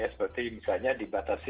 ya seperti misalnya dibatasi